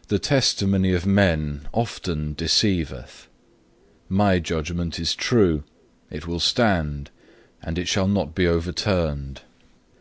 4. "The testimony of men often deceiveth. My judgment is true; it will stand, and it shall not be overturned.